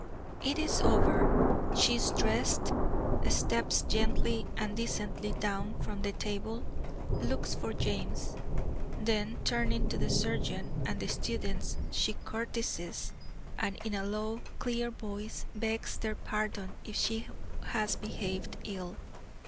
It is over; she is dressed, steps gently and decently down from the table, looks for James; then turning to the surgeon and the students, she curtsies and in a low, clear voice, begs their pardon if she has behaved ill.